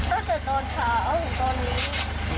ตั้งแต่ตอนเช้าถึงตอนนี้